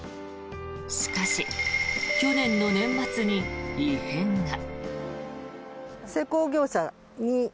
しかし、去年の年末に異変が。